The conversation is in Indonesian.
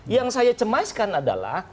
yang saya cemaskan adalah